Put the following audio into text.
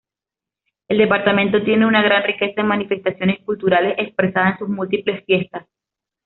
El departamento tiene una gran riqueza en manifestaciones culturales expresada en sus múltiples fiestas.